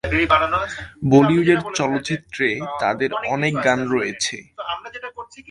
বলিউডের চলচ্চিত্রে তাদের অনেক গান রয়েছে।